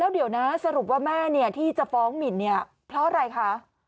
เดี๋ยวนะสรุปว่าแม่เนี่ยที่จะฟ้องหมินเนี่ยเพราะอะไรคะ